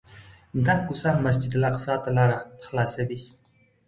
دا کوڅه مسجدالاقصی ته لاره خلاصوي.